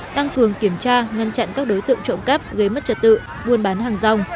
tăng cường kiểm tra ngăn chặn các đối tượng trộm cắp gây mất trật tự buôn bán hàng rong